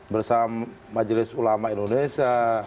bersama majelis ulama indonesia